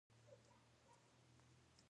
سمه ده، اوس بېده شه. ما ورته وویل.